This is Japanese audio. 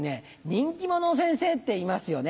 人気者の先生っていますよね。